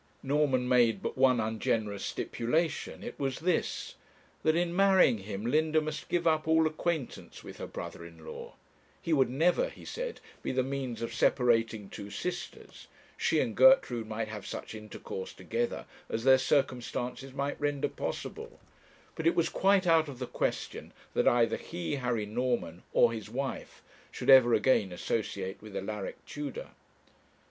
Norman made but one ungenerous stipulation. It was this: that in marrying him Linda must give up all acquaintance with her brother in law. He would never, he said, be the means of separating two sisters; she and Gertrude might have such intercourse together as their circumstances might render possible; but it was quite out of the question that either he, Harry Norman, or his wife, should ever again associate with Alaric Tudor.